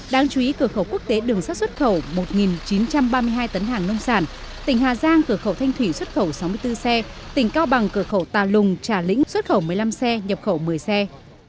đáng chú ý cửa khẩu quốc tế đường sắt xuất khẩu một chín trăm ba mươi hai tấn hàng nông sản tỉnh hà giang cửa khẩu thanh thủy xuất khẩu sáu mươi bốn xe tỉnh cao bằng cửa khẩu tà lùng trà lĩnh xuất khẩu một mươi năm xe nhập khẩu một mươi xe